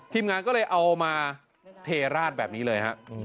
ทีมงานก็เลยเอามาเทราดแบบนี้เลยฮะ